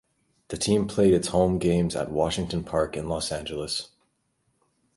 The team played its home games at Washington Park in Los Angeles.